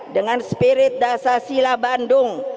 dengan spirit dasar sila bandung